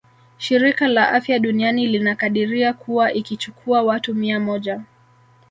Shirika la afya duniani linakadiria kuwa ukichukua watu mia moja